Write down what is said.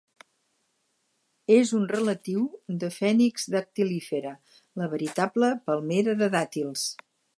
És un relatiu de "Phoenix dactylifera", la veritable palmera de dàtils.